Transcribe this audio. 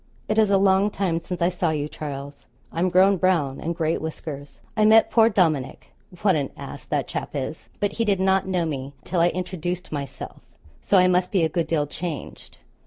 It is a long time since I saw you, Charles; I'm grown brown, and great whiskers. I met poor Dominick what an ass that chap is but he did not know me till I introduced myself, so I must be a good deal changed.